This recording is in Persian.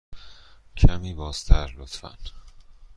کمی بازتر، لطفاً.